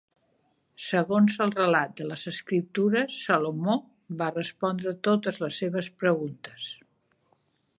Segons el relat de les escriptures, Salomó va respondre a totes les seves preguntes.